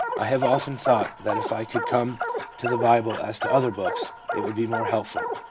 I have often thought that if I could come to the Bible as to other books it would be more helpful.